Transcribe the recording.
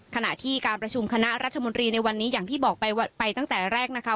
ขณะที่การประชุมคณะรัฐมนตรีในวันนี้อย่างที่บอกไปไปตั้งแต่แรกนะคะ